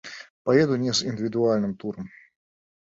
Паеду не з індывідуальным турам.